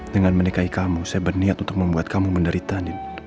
dengan menikahi kamu saya berniat untuk membuat kamu menderita